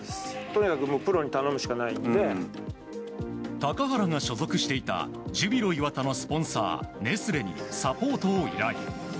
高原が所属していたジュビロ磐田のスポンサーネスレにサポートを依頼。